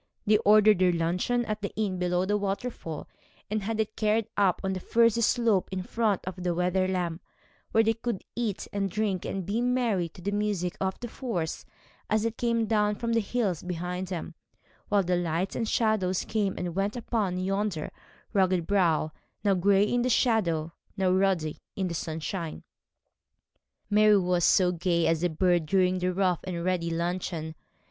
They ordered their luncheon at the inn below the waterfall, and had it carried up on to the furzy slope in front of Wetherlam, where they could eat and drink and be merry to the music of the force as it came down from the hills behind them, while the lights and shadows came and went upon yonder rugged brow, now gray in the shadow, now ruddy in the sunshine. Mary was as gay as a bird during that rough and ready luncheon.